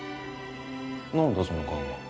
何だその顔は。